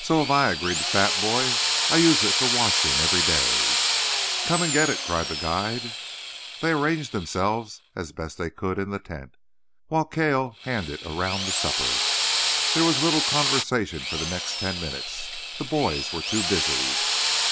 "So have I," agreed the fat boy. "I use it for washing every day." "Come and get it," cried the guide. They arranged themselves as best they could in the tent, while Cale handed around the supper. There was little conversation for the next ten minutes. The boys were too busy.